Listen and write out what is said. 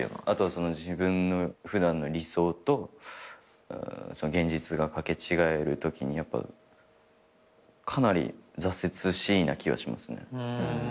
あとは自分の普段の理想と現実が掛け違えるときにやっぱかなり挫折しいな気はしますね。